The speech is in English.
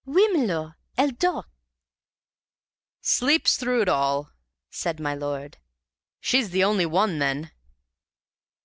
"Oui, milor. Elle dort." "Sleeps through it all," said my lord. "She's the only one, then!"